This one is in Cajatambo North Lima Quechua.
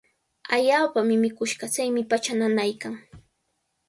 Allaapami mikush kaa. Chaymi pachaa nanaykaaman.